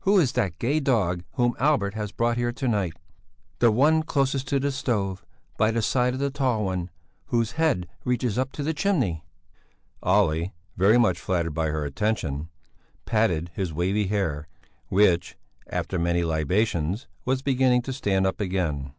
Who is that gay dog whom Albert has brought here to night? The one closest to the stove, by the side of the tall one, whose head reaches up to the chimney?" Olle, very much flattered by her attention, patted his wavy hair which, after the many libations, was beginning to stand up again.